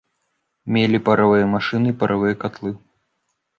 Мелі паравыя машыны і паравыя катлы.